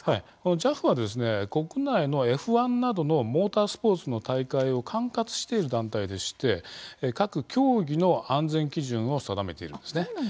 ＪＡＦは国内のＦ１などのモータースポーツの大会を管轄している団体でして各競技の安全基準を定めています。